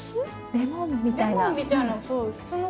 レモンみたいなそうその。